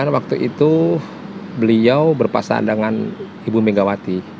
dua ribu sembilan waktu itu beliau berpasangan dengan ibu megawati